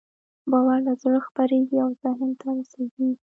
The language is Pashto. باور له زړه خپرېږي او ذهن ته رسېږي.